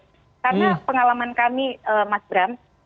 karena pengalaman kami mas bram